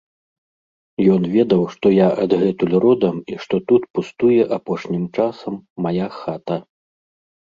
Ён ведаў, што я адгэтуль родам і што тут пустуе апошнім часам мая хата.